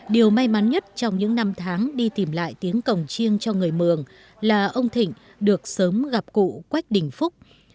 điều may mắn nhất trong những năm tháng đi tìm lại tiếng cổng chiêng cho người mường là ông thịnh được sớm gặp cụ quách đình phúc